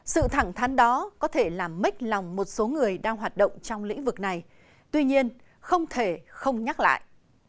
sự thẳng thắn đó có thể làm mếch lòng một số người đang hoạt động trong lĩnh vực này tuy nhiên không thể không nhắc lại